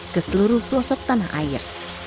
ke seluruh pelosok tanah air